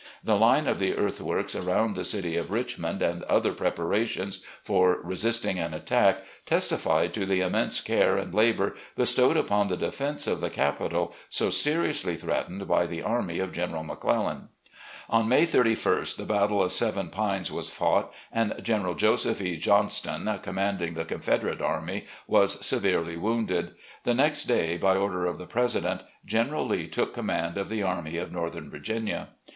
The line of earthworks around the city of Richmond, and other preparations for resisting an attack, testified to the immense care and labour bestowed upon the defense of the capital, so seriously threatened by the army of General McClellan." On May 31st, the battle of Seven Pines was fought, and General Joseph E. Johnston, commanding the Con federate Army, was severely wounded. The next day, by order of the President, General Lee took command of the Army of Northern Virginia.